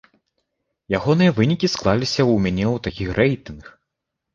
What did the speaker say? Ягоныя вынікі склаліся ў мяне ў такі рэйтынг.